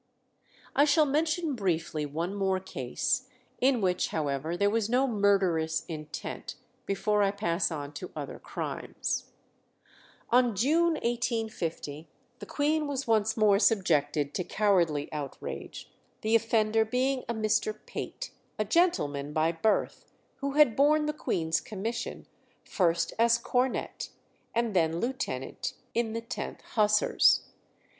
I shall mention briefly one more case, in which, however, there was no murderous intent, before I pass on to other crimes. On June 1850 the Queen was once more subjected to cowardly outrage, the offender being a Mr. Pate, a gentleman by birth, who had borne the Queen's commission, first as cornet, and then lieutenant, in the 10th Hussars.